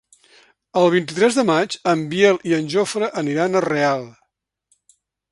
El vint-i-tres de maig en Biel i en Jofre aniran a Real.